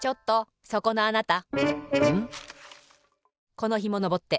このひものぼって。